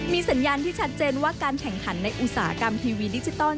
มีสัญญาณที่ชัดเจนว่าการแข่งขันในอุตสาหกรรมทีวีดิจิตอล